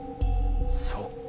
そっか。